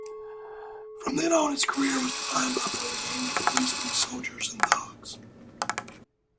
From then on his career was defined by playing mainly policemen, soldiers, and thugs.